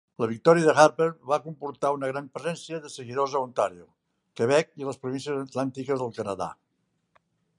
La victòria de Harper va comportar una gran presencia de seguidors a Ontario, Quebec i les Províncies Atlàntiques del Canadà.